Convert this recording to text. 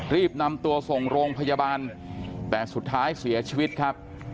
รีบนำตัวส่งโรงพยาบาลแต่สุดท้ายเสียชีวิตครับ